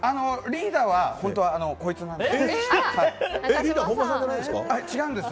リーダーは本当はこいつなんです。